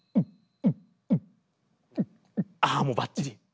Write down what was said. ああもうばっちり！